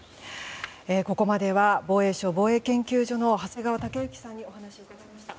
ここまでは防衛省防衛研究所の長谷川雄之さんにお話を伺いました。